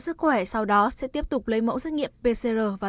sức khỏe sau đó sẽ tiếp tục lấy mẫu xét nghiệm pcr